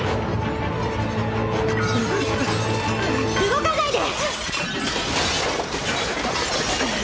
動かないで！